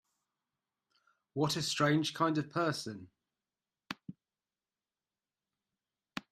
What a strange kind of person!